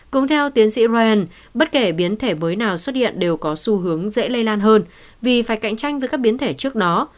cũng theo tiến sĩ ryan bất kể biến thể mới nào xuất hiện đều có xu hướng dễ lây lan hơn vì phải cạnh tranh với các biến thể trước đó